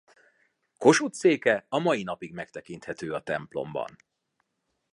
Kossuth széke a ma napig megtekinthető a templomban.